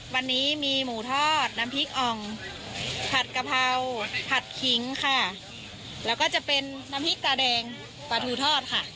วันนี้มีหมูทอดน้ำพริกอ่องผัดกะเพราผัดขิงค่ะแล้วก็จะเป็นน้ำพริกตาแดงปลาทูทอดค่ะ